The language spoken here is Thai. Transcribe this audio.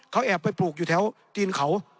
เขาแอบไปปลูกอยู่แถวตีนเขา